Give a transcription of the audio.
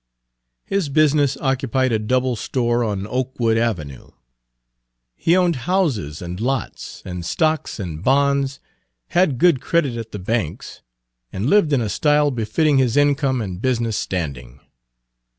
His business occupied a double store on Oakwood Avenue. He owned houses and lots, and stocks and bonds, had good credit at the banks, and lived in a style befitting his income and business standing.